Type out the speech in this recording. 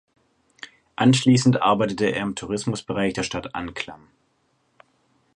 Anschließend arbeitete er im Tourismusbereich der Stadt Anklam.